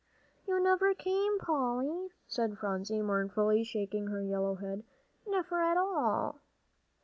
"You never came, Polly," said Phronsie, mournfully shaking her yellow head, "never at all."